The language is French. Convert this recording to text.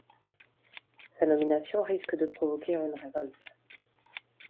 Sa nomination risque de provoquer une révolte.